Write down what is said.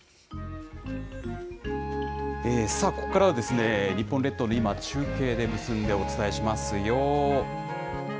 さあ、ここからは、日本列島の今を中継で結んでお伝えしますよ。